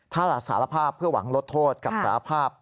ถ้าสารภาพเพื่อหวังลดโทษกับสารภาพ